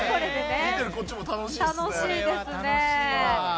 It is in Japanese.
見てるこっちも楽しいですね。